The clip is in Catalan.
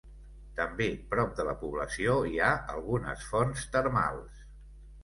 També prop de la població hi ha algunes fonts termals.